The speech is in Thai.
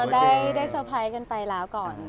ได้เซาเพลย์กันไปแล้วก่อน